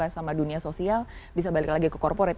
sama dunia sosial bisa balik lagi ke corporate